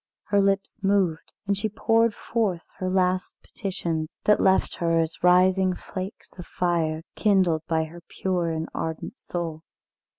Her lips moved, and she poured forth her last petitions, that left her as rising flakes of fire, kindled by her pure and ardent soul.